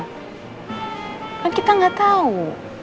kan kita gak tahu